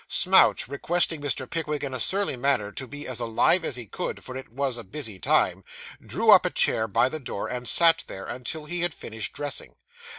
Smouch, requesting Mr. Pickwick in a surly manner 'to be as alive as he could, for it was a busy time,' drew up a chair by the door and sat there, until he had finished dressing.